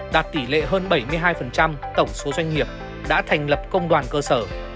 đạt tỷ lệ hơn bảy mươi hai tổng số doanh nghiệp đã thành lập công đoàn cơ sở